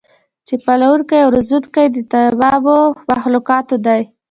چې پالونکی او روزونکی د تمامو مخلوقاتو دی